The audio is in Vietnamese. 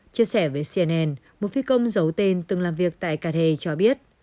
chia sẻ với cnn một phi công giấu tên từng làm việc tại cathay cho biết